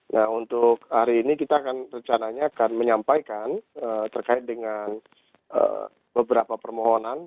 nah untuk hari ini kita akan rencananya akan menyampaikan terkait dengan beberapa permohonan